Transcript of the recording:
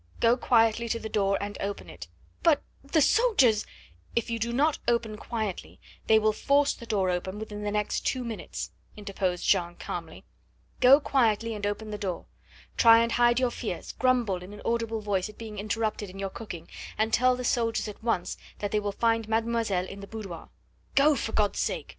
"Go quietly to the door and open it." "But the soldiers " "If you do not open quietly they will force the door open within the next two minutes," interposed Jeanne calmly. "Go quietly and open the door. Try and hide your fears, grumble in an audible voice at being interrupted in your cooking, and tell the soldiers at once that they will find mademoiselle in the boudoir. Go, for God's sake!"